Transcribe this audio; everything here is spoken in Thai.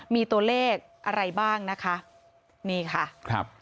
มีตัวเลขอะไรบ้างนะคะ